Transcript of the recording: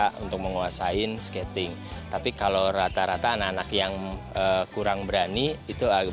kita untuk menguasai skating tapi kalau rata rata anak anak yang kurang berani itu agak